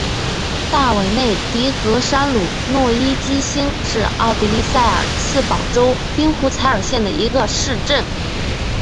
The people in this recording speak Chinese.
大韦内迪格山麓诺伊基兴是奥地利萨尔茨堡州滨湖采尔县的一个市镇。